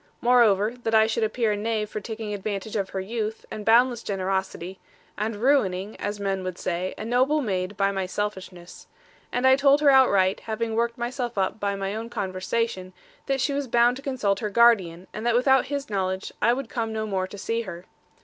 Moreover, that I should appear a knave for taking advantage of her youth, and boundless generosity, and ruining (as men would say) a noble maid by my selfishness. And I told her outright, having worked myself up by my own conversation, that she was bound to consult her guardian, and that without his knowledge, I would come no more to see her.